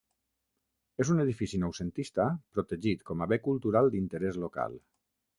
És un edifici noucentista protegit com a Bé Cultural d'Interès Local.